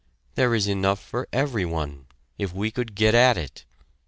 There is enough for everyone, if we could get at it.